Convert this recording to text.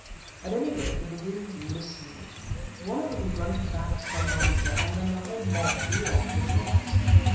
At any rate the baboons listened. One of them grunted back some answer, and then the whole mob drew off to the rocks.